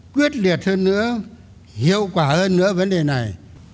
quyết liệt hơn nữa hiệu quả hơn nữa vấn đề này